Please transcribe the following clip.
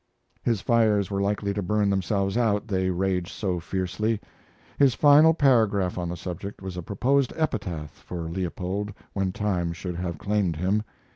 His fires were likely to burn themselves out, they raged so fiercely. His final paragraph on the subject was a proposed epitaph for Leopold when time should have claimed him.